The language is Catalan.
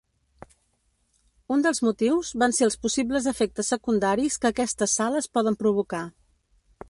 Un dels motius van ser els possibles efectes secundaris que aquestes sales poden provocar.